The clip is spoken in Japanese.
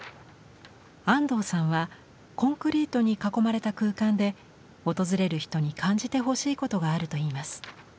安藤さんはコンクリートに囲まれた空間で訪れる人に感じてほしいことがあるといいます。